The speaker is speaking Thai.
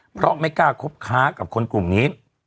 เพราะไม่กล้าคบค้ากับคนกลุ่มนี้